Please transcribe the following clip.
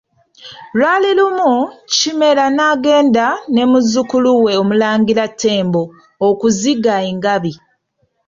Lwali lumu, Kimera n'agenda ne muzzukulu we Omulangira Ttembo okuziga engabi.